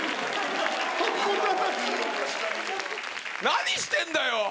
何してんだよ。